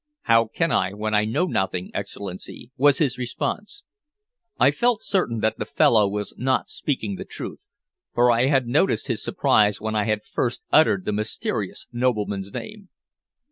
"How can I when I know nothing, Excellency?" was his response. I felt certain that the fellow was not speaking the truth, for I had noticed his surprise when I had first uttered the mysterious nobleman's name.